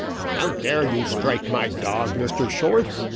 "How dare you strike my dog, Mr Short?"